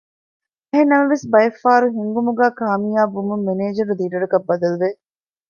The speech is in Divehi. އެހެންނަމަވެސް ބައެއްފަހަރު ހިންގުމުގައި ކާމިޔާބުވުމުން މެނޭޖަރު ލީޑަރަކަށް ބަދަލުވެ